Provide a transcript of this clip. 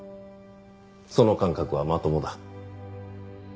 その感覚はまともだ。